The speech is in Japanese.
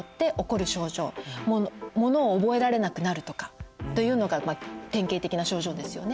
ものを覚えられなくなるとかというのが典型的な症状ですよね。